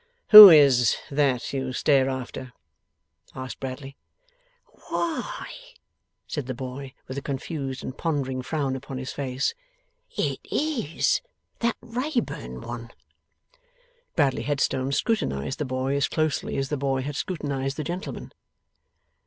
'Who is it that you stare after?' asked Bradley. 'Why!' said the boy, with a confused and pondering frown upon his face, 'It IS that Wrayburn one!' Bradley Headstone scrutinized the boy as closely as the boy had scrutinized the gentleman.